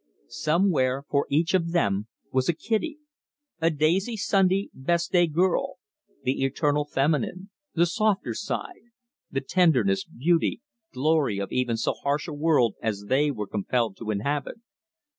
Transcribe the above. Somewhere for each of them was a "Kitty," a "daisy Sunday best day girl"; the eternal feminine; the softer side; the tenderness, beauty, glory of even so harsh a world as they were compelled to inhabit.